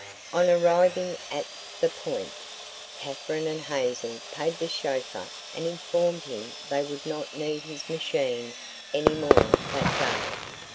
On arriving at "the Point," Katherine and Hazel paid the chauffeur and informed him they would not need his machine any more that day.